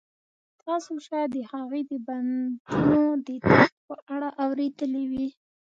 تاسو شاید د هغې د بندونو د درد په اړه اوریدلي وي